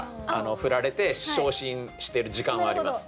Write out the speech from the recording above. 振られて傷心してる時間はあります。